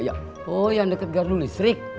oh yang dekat gardu listrik